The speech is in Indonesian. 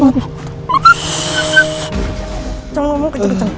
jangan ngomong kecil kecil